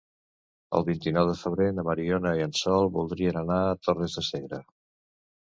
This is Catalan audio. El vint-i-nou de febrer na Mariona i en Sol voldrien anar a Torres de Segre.